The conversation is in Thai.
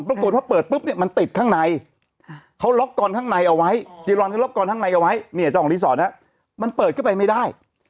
ปรากฏว่าเปิดปุ๊บเนี่ยมันติดข้างในเขาล็อกกอนข้างในเอาไว้จีรอนเขาล็อกกอนข้างในเอาไว้เนี่ยเจ้าของรีสอร์ทมันเปิดเข้าไปไม่ได้